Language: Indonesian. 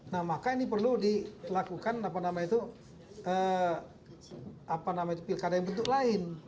nah maka ini perlu dilakukan apa namanya itu apa namanya itu pilkada yang bentuk lain